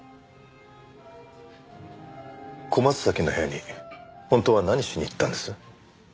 小松崎の部屋に本当は何しに行ったんです？